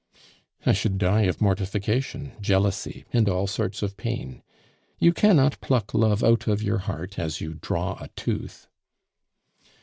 "I should die of mortification, jealousy, and all sorts of pain. You cannot pluck love out of your heart as you draw a tooth."